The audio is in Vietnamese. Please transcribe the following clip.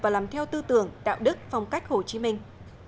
và làm theo tư tưởng đạo đức phong cách hồ chí minh